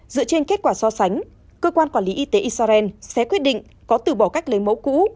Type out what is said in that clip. dựa trên kết quả so sánh cơ quan quản lý y tế israel sẽ quyết định có từ bỏ cách lấy mẫu cũ